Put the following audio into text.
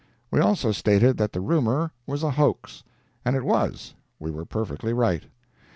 We also stated that the rumor was a hoax. And it was—we were perfectly right.